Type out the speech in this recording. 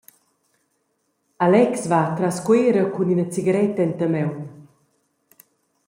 Alex va atras Cuera cun ina cigaretta enta maun.